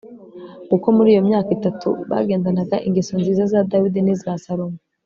kuko muri iyo myaka itatu bagendanaga ingeso nziza za dawidi n'iza salomo